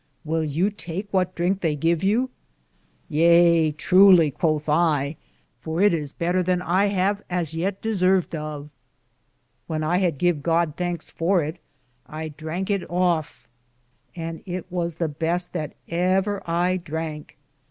Will you take what drinke they give you ? Yeae, truly, cothe I ; for it is better than I have as yeat disarved of When I had give God thankes for it, I drank it of, and it was the beste that ever I dranke.